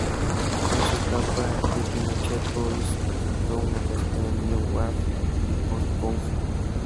En su etapa de Pinochet Boys presentó una mezcla de New Wave y Post-Punk.